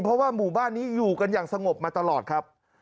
เพราะว่าหมู่บ้านนี้อยู่กันอย่างสงบมาตลอดครับ